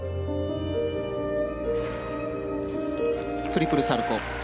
トリプルサルコウ。